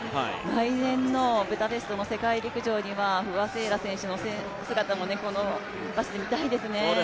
来年のブダペストの世界陸上では不破聖衣来選手の姿も、この場所で見たいですね。